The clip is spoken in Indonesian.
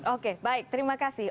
oke baik terima kasih